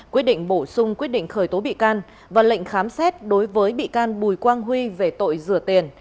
quyết định bổ sung quyết định khởi tố bị can và lệnh khám xét đối với bị can bùi quang huy về tội rửa tiền